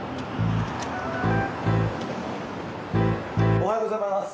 おはようございます。